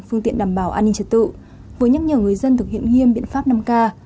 phương tiện đảm bảo an ninh trật tự vừa nhắc nhở người dân thực hiện nghiêm biện pháp năm k